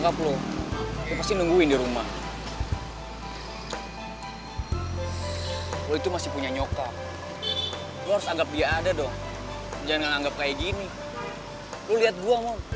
gue pengen nyokap gue itu